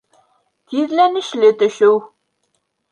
Тиҙләнешле төшөү